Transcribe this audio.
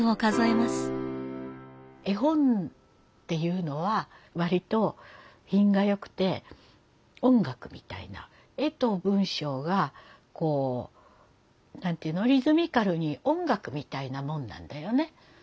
絵本っていうのは割と品がよくて音楽みたいな絵と文章がこう何て言うのリズミカルに音楽みたいなもんなんだよね。